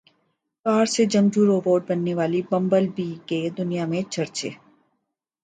کار سے جنگجو روبوٹ بننے والی بمبل بی کے دنیا میں چرچے